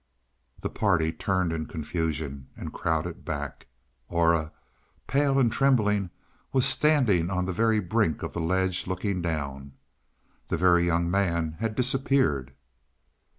The party turned in confusion and crowded back. Aura, pale and trembling, was standing on the very brink of the ledge looking down. The Very Young Man had disappeared.